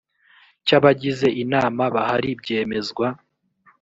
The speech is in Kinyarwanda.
cy abagize inama bahari byemezwa